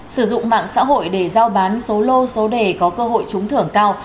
sử dụng mạng xã hội để giao bán số lô số đề có cơ hội trúng thưởng cao